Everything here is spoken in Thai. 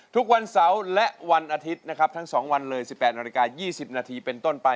ทุกวันเสาร์และวันอาทิตย์นะครับทั้ง๒วันเลย๑๘นาฬิกา๒๐นาทีเป็นต้นไป